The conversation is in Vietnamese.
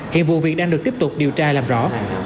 hiện vụ việc đang được tiếp tục điều tra làm rõ